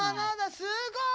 すごーい！